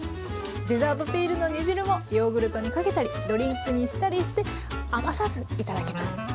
デザートピールの煮汁もヨーグルトにかけたりドリンクにしたりして余さず頂けます。